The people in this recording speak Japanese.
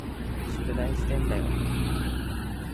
宿題してんだよ。